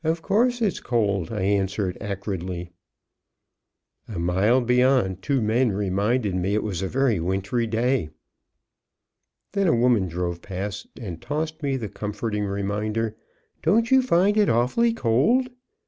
"'Course it's cold!" I answered, acridly. A mile beyond two men reminded me it was a very wintry day. Then a woman drove past and tossed me the comforting reminder: "Don't you find it awfully cold?"